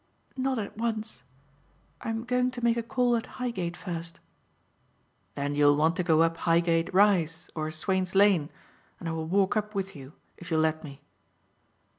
"Not at once. I'm going to make a call at Highgate first." "Then you'll want to go up Highgate Rise or Swain's Lane; and I will walk up with you if you'll let me."